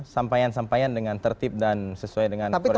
sampaian sampaian dengan tertib dan sesuai dengan koridor koridor